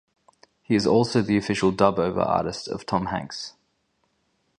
He is also the official dub-over artist of Tom Hanks.